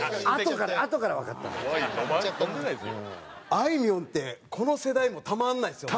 あいみょんってこの世代もたまらないですよね。